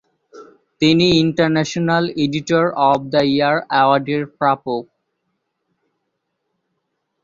তিনি international editor of the year অ্যাওয়ার্ডের প্রাপক।